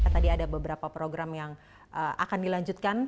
tadi ada beberapa program yang akan dilanjutkan